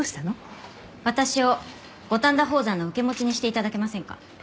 私を五反田宝山の受け持ちにして頂けませんか？